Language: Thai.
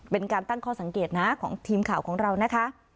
เป็นการตั้งข้อสังเกตนะของทีมข่าวของเรานะคะ